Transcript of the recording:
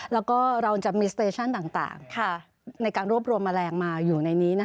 แล้วก็เราจะมีสเตชั่นต่างในการรวบรวมแมลงมาอยู่ในนี้